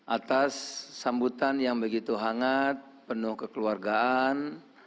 atas sambutan yang begitu hangat penuh kekeluargaan